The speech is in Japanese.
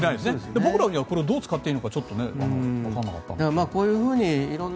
僕なんかにはこれをどう使っていいのかちょっとわからなかった。